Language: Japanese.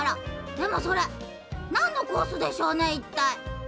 でもそれなんのコースでしょうね？